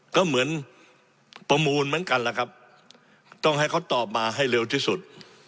ก็เหมือนประมูลเหมือนกันล่ะครับต้องให้เขาตอบมาให้เร็วที่สุด